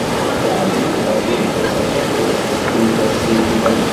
L'album ha raggiunto il sesto posto in classifica.